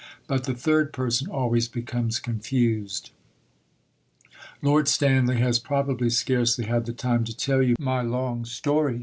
But the "third person" always becomes confused. Lord Stanley has probably scarcely had the time to tell you my long story.